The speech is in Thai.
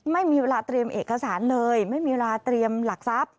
ไม่มีเวลาเตรียมเอกสารเลยไม่มีเวลาเตรียมหลักทรัพย์